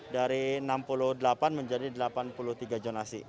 dari enam puluh delapan menjadi delapan puluh tiga zonasi